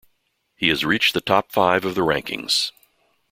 He has reached the top five of the rankings.